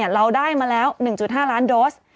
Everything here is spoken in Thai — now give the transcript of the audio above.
เราได้มาแล้ว๑๕ล้านโดส